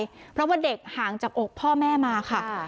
เพราะว่าเด็กห่างจากอกพ่อแม่มาค่ะ